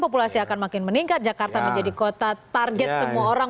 populasi akan makin meningkat jakarta menjadi kota target semua orang